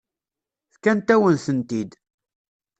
Fkant-awen-tent-id.